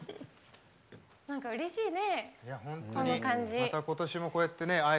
なんかうれしいね。